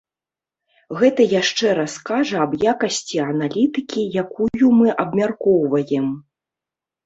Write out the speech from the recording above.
Гэта яшчэ раз кажа аб якасці аналітыкі, якую мы абмяркоўваем.